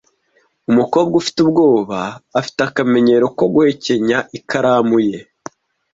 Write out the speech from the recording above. Umukobwa ufite ubwoba afite akamenyero ko guhekenya ikaramu ye.